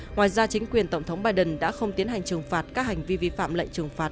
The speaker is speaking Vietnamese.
ngoài ra chính quyền tổng thống biden đã không tiến hành trừng phạt các hành vi vi phạm lệnh trừng phạt